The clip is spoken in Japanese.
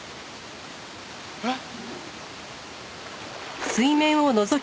えっ？